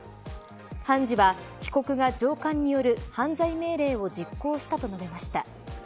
判事は、被告が上官による犯罪命令を実行したと述べました。